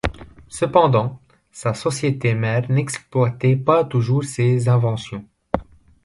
Cependant, sa société mère n'exploitait pas toujours ses inventions.